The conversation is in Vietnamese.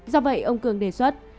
do vậy ông cường đề xuất